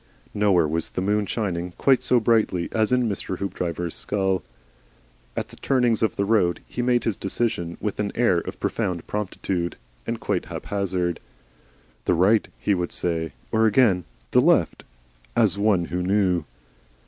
Nowhere was the moon shining quite so brightly as in Mr. Hoopdriver's skull. At the turnings of the road he made his decisions with an air of profound promptitude (and quite haphazard). "The Right," he would say. Or again "The Left," as one who knew.